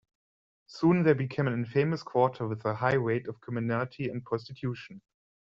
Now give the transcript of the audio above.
Soon they became an infamous quarter with a high rate of criminality and prostitution.